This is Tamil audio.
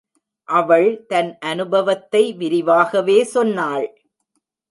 அவள் தன் அனுபவத்தை விரிவாகவே சொன்னாள்.